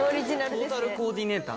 トータルコーディネーター。